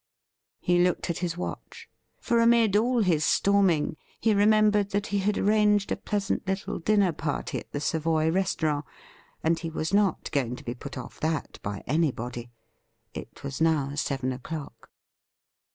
He looked at his watch ; for amid all his storming he remembered that he had arranged a pleasant little dinner party at the Savoy Restaurant, and he was not going to be put ofl^ that by anybody. It was now seven o'clock.